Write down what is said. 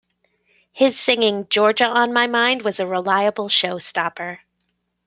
His singing "Georgia on My Mind" was a reliable show stopper.